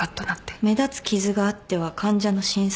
目立つ傷があっては患者の診察ができない。